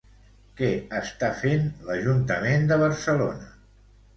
Què està fent l'Ajuntament de Barcelona?